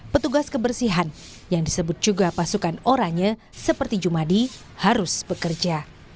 petugas kebersihan yang disebut juga pasukan oranye seperti jumadi harus bekerja